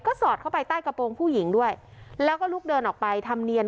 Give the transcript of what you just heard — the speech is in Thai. สอดเข้าไปใต้กระโปรงผู้หญิงด้วยแล้วก็ลุกเดินออกไปทำเนียน